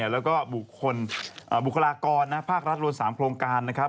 แล้วก็บุคลากรภาครัฐรวม๓โครงการนะครับ